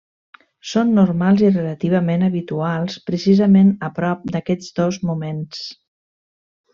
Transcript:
Són normals i relativament habituals precisament a prop d'aquests dos moments.